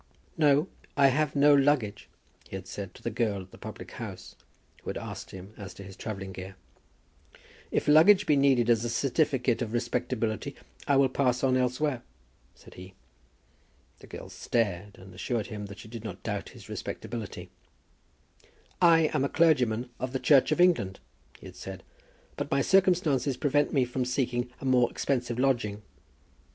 "No, I have no luggage," he had said to the girl at the public house, who had asked him as to his travelling gear. "If luggage be needed as a certificate of respectability, I will pass on elsewhere," said he. The girl stared, and assured him that she did not doubt his respectability. "I am a clergyman of the Church of England," he had said, "but my circumstances prevent me from seeking a more expensive lodging."